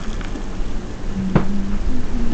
四川粘体虫为粘体科粘体虫属的动物。